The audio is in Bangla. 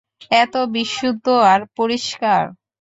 এত বিশুদ্ধ আর পরিষ্কার।